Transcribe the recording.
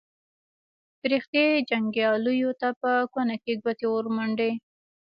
فرښتې جنګیالیو ته په کونه کې ګوتې ورمنډي.